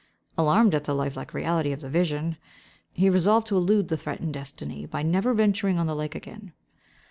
Alarmed at the lifelike reality of the vision, he resolved to elude the threatened destiny by never venturing on the lake again.